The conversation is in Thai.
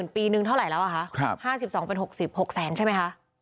๕๐๐๐๐ปีหนึ่งเท่าไหร่แล้วครับ๕๒เป็น๖๐บาท๖แสนใช่ไหมคะ